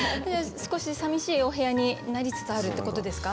少しさみしいお部屋になりつつあるってことですか？